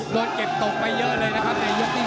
โดนเก็บตกไปเยอะเลยนะครับในยกที่๑